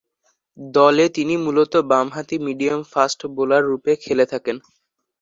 দলে তিনি মূলতঃ বামহাতি মিডিয়াম ফাস্ট বোলাররূপে খেলে থাকেন।